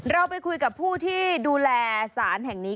เราไปคุยกับผู้ที่ดูแลสารแห่งนี้